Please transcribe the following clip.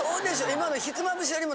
今の。